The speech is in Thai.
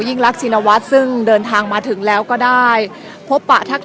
รักชินวัฒน์ซึ่งเดินทางมาถึงแล้วก็ได้พบปะทัก